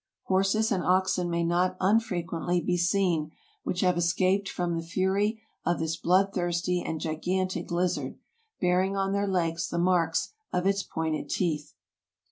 Horses and oxen may not unfrequently be seen which have escaped from the fury of this bloodthirsty and gigantic lizard, bearing on their legs the marks of its pointed teeth.